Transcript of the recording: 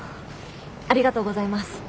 ありがとうございます。